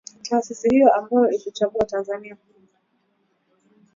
taasisi hiyo ambayo iliichagua Tanzania